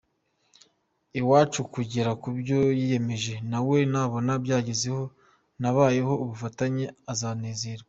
E wacu kugera kubyo yiyemeje nawe nabona byagezweho habayeho ubufatanye, azanezerwa.